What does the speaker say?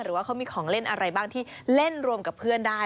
หรือว่าเขามีของเล่นอะไรบ้างที่เล่นรวมกับเพื่อนได้